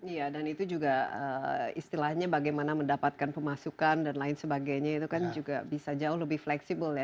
iya dan itu juga istilahnya bagaimana mendapatkan pemasukan dan lain sebagainya itu kan juga bisa jauh lebih fleksibel ya